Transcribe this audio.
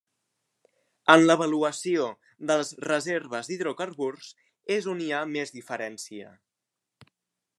En l'avaluació de les reserves d'hidrocarburs és on hi ha més diferència.